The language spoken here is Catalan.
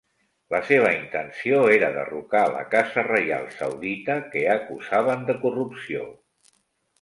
La seva intenció era derrocar la casa reial saudita que acusaven de corrupció.